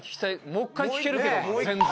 もう一回聞けるけどな全然。